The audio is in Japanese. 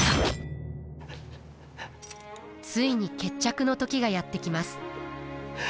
ついに決着の時がやって来ます。